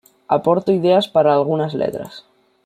Aporto ideas para algunas letras.